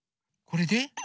これで？